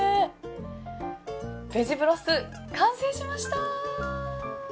ベジブロス完成しました。